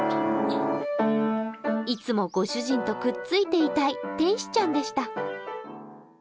いつもご主人とくっついていたい天使ちゃんでした。